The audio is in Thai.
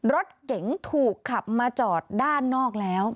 รถเก๋งถูกขับมาจอดด้านนอกแล้ว